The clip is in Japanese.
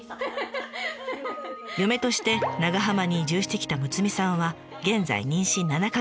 嫁として長浜に移住してきたむつみさんは現在妊娠７か月。